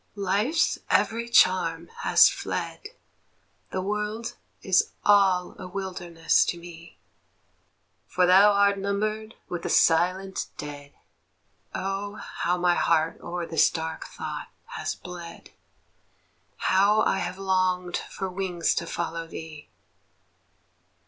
Life's every charm has fled, The world is all a wilderness to me; "For thou art numbered with the silent dead." Oh, how my heart o'er this dark thought has bled! How I have longed for wings to follow thee!